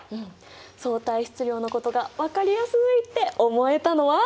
相対質量のことが分かりやすいって思えたのは？